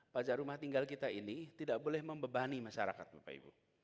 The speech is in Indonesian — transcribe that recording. pajak rumah tinggal kita ini tidak boleh membebani masyarakat bapak ibu